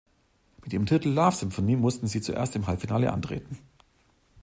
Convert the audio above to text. Mit ihrem Titel "Love Symphony" mussten sie zuerst im Halbfinale antreten.